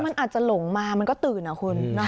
มันอาจจะหลงมามันก็ตื่นอะคุณ